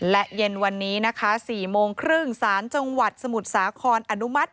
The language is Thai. และเย็นวันนี้นะคะ๔โมงครึ่งสารจังหวัดสมุทรสาครอนุมัติ